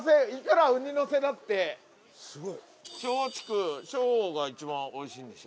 「松」「竹」「松」が一番おいしいんでしょ？